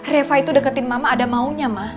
reva itu deketin mama ada maunya mah